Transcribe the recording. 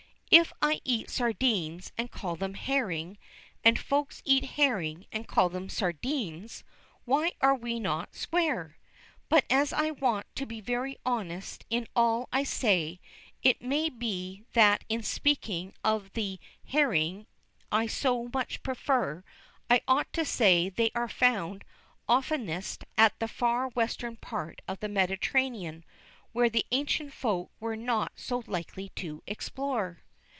If I eat sardines and call them herring, and folks eat herring and call them sardines, why are we not square? But as I want to be very honest in all I say, it may be that in speaking of the herring I so much prefer, I ought to say they are found oftenest at the far western part of the Mediterranean, where the ancient Folk were not so likely to explore.